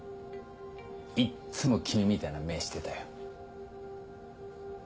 いっつも君みたいな目してたよ。